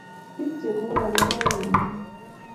bik che mwae lokeok eng amut